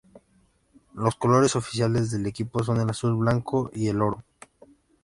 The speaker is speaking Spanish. Los colores oficiales del equipo son el azul, blanco y el oro.